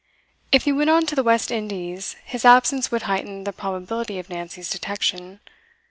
If he went to the West Indies, his absence would heighten the probability of Nancy's detection.